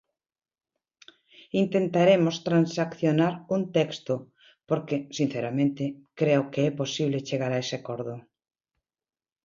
Intentaremos transaccionar un texto porque, sinceramente, creo que é posible chegar a ese acordo.